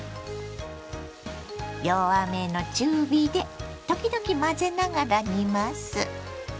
弱めの中火で時々混ぜながら煮ます。